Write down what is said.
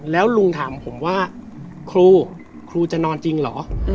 แล้วลุงถามผมว่าครูครูจะนอนจริงเหรอ